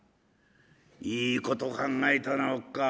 「いいこと考えたなおっかあ。